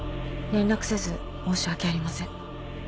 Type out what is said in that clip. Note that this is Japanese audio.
連絡せず申し訳ありません。